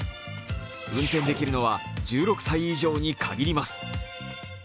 運転できるのは１６歳以上に限ります。